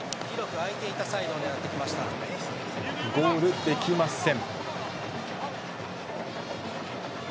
ゴールできません。